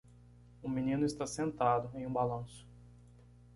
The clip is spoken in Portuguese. Um menino está sentado em um balanço.